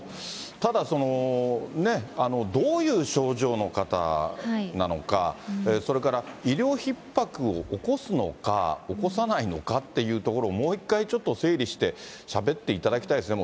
ただその、どういう症状の方なのか、それから医療ひっ迫を起こすのか、起こさないのかっていうところをもう一回ちょっと整理してしゃべっていただきたいですね。